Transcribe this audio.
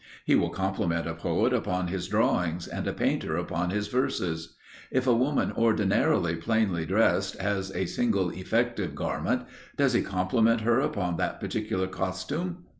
He will compliment a poet upon his drawings and a painter upon his verses. If a woman ordinarily plainly dressed, has a single effective garment, does he compliment her upon that particular costume?